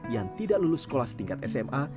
yang tidak lulus sekolah setingkat sma